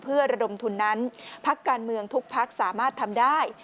เพื่อระดมทุนนั้นพักการเมืองทุกพักสามารถทำได้